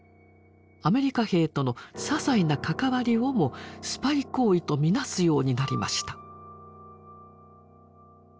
アメリカ兵とのささいな関わりをもスパイ行為とみなすようになりました。